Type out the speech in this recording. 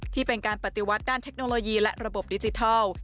ที่เป็นการปฏิวัติด้านเทคโนโลยีและระบบดิจิทัล